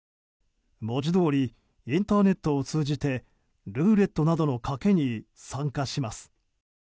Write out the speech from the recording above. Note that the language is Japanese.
文字どおりインターネットを通じてルーレットなどの賭けに参加します。